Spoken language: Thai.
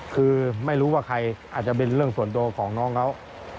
คือไม่รู้ว่าใครอาจจะเป็นเรื่องส่วนตัวของน้องเขา